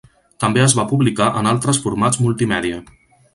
També es va publicar en altres formats multimèdia.